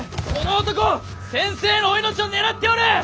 この男先生のお命を狙っておる！